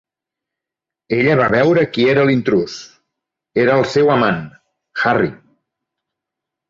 Ella va veure qui era l"intrús: era el seu amant, Harry.